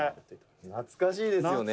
「懐かしいですよね」